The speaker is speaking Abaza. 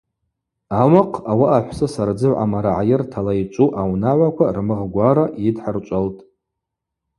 Ауахъ ауаъа Хӏвсыса рдзыгӏв амарагӏайыртала йчӏву аунагӏваква рмыгъгвара йыдхӏырчӏвалтӏ.